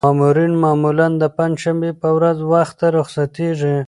مامورین معمولاً د پنجشنبې په ورځ وخته رخصتېږي.